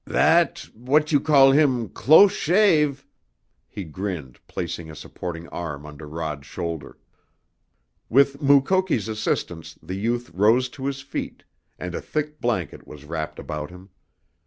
"That w'at you call heem close shave!" he grinned, placing a supporting arm under Rod's shoulder. With Mukoki's assistance the youth rose to his feet, and a thick blanket was wrapped about him.